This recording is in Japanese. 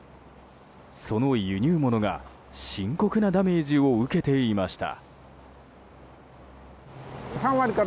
その輸入物が深刻なダメージを受けていました。